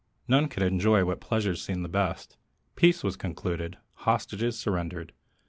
None could enjoy what pleasures seemed the best; Peace was concluded hostages surrendered.